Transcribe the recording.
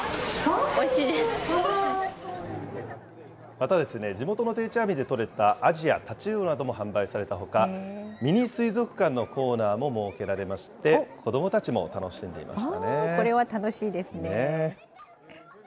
また、地元の定置網で取れたアジやタチウオなども販売されたほか、ミニ水族館のコーナーも設けられまして、子どもたちも楽しんでいこれは楽しいですね。